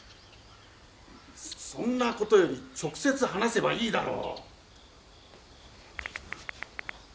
そんなことより直接話せばいいだろ。